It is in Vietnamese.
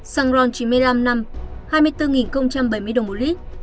xăng ron chín mươi năm năm hai mươi bốn bảy mươi đồng một lít